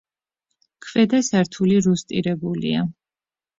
ქვედა სართული რუსტირებულია.